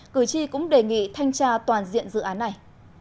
cử tri cũng đề nghị thanh tra toàn diện dự án này